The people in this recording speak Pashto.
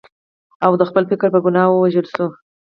او د خپل فکر په ګناه ووژل شو.